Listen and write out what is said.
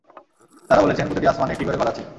তারা বলেছেন, প্রতিটি আসমানে একটি করে ঘর আছে।